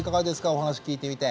お話聞いてみて。